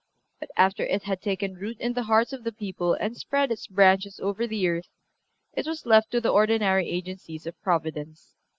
But after it had taken root in the hearts of the people and spread its branches over the earth it was left to the ordinary agencies of Providence.